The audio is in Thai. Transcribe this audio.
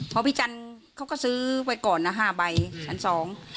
พอพี่จันทร์เขาก็ซื้อไปก่อนนะ๕ใบอัน๒